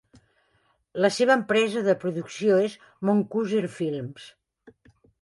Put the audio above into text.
La seva empresa de producció es Mooncusser Films.